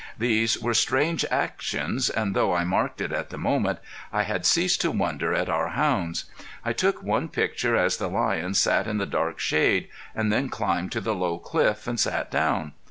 These were strange actions, and though I marked it at the moment, I had ceased to wonder at our hounds. I took one picture as the lion sat in the dark shade, and then climbed to the low cliff and sat down.